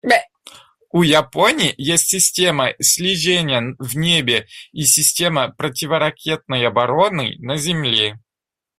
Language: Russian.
У Японии есть система слежения в небе и система противоракетной обороны на земле.